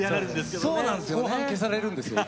後半消されるんですよ。